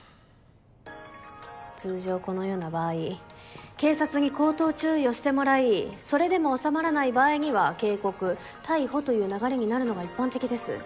通常このような場合警察に口頭注意をしてもらいそれでも収まらない場合には警告逮捕という流れになるのが一般的です。